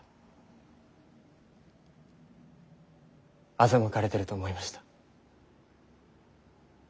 欺かれてると思いました。